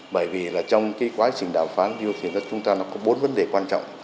bởi vì là trong cái quá trình đàm phán eu khiến ra chúng ta nó có bốn vấn đề quan trọng